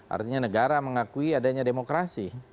artinya negara mengakui adanya demokrasi